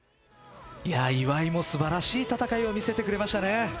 岩井も素晴らしい戦いを見せてくれましたね。